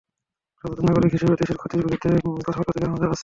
সচেতন নাগরিক হিসেবেই দেশের ক্ষতির বিরুদ্ধে কথা বলার অধিকার আমাদের আছে।